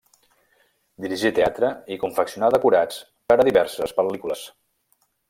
Dirigí teatre i confeccionà decorats per a diverses pel·lícules.